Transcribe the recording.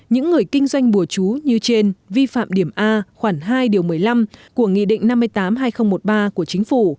những người kinh doanh bùa chú như trên vi phạm điểm a khoảng hai điều một mươi năm của nghị định năm mươi tám hai nghìn một mươi ba của chính phủ